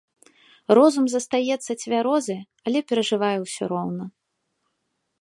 Розум застаецца цвярозы, але перажываю ўсё роўна.